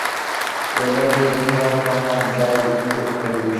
لنډۍ د هېواد په هر ځای کې خپرېږي.